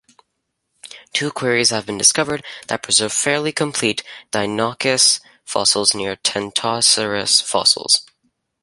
Two quarries have been discovered that preserve fairly complete "Deinonychus" fossils near "Tenontosaurus" fossils.